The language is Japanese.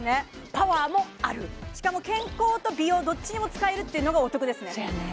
パワーもあるしかも健康と美容どっちにも使えるっていうのがお得ですね